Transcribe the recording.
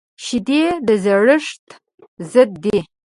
شیدې د زړښت ضد دي